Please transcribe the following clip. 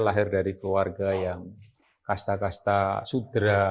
lahir dari keluarga yang kasta kasta sudra